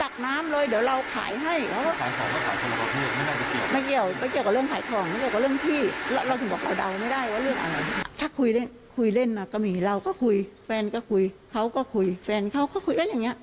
เขาก็คุยแฟนเขาก็คุยกันอย่างนี้